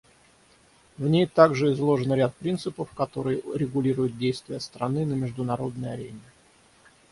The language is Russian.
В ней также изложен ряд принципов, которые регулируют действия страны на международной арене.